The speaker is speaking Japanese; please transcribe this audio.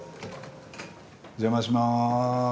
お邪魔します。